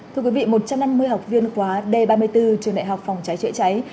thưa quý vị một trăm năm mươi học viên khóa d ba mươi bốn trường đại học phòng cháy chữa cháy